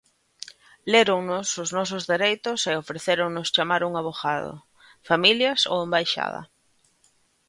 Léronnos os nosos dereitos e ofrecéronnos chamar un avogado, familias ou embaixada.